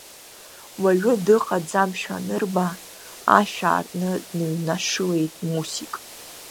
Уаҩы дыҟаӡамшәа анырба, ашә аартны дныҩнашылеит Мусик.